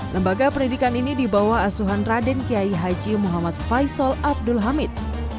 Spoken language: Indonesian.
lembaga pendidikan ini dibawa asuhan raden kiai haji muhammad faisal abdul hamid